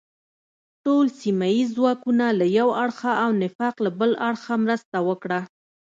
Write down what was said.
ټول سیمه ییز ځواکونه له یو اړخه او نفاق له بل اړخه مرسته وکړه.